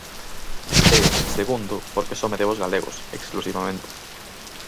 E, segundo, porque só me debo aos galegos, exclusivamente.